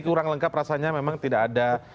kurang lengkap rasanya memang tidak ada